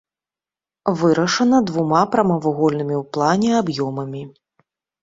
Вырашана двума прамавугольнымі ў плане аб'ёмамі.